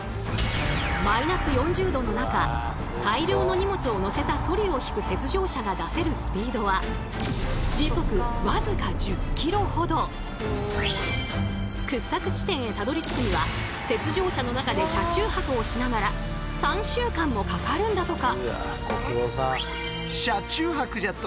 ４０℃の中大量の荷物を載せたソリを引く雪上車が出せるスピードは掘削地点へたどりつくには雪上車の中で車中泊をしながら３週間もかかるんだとか！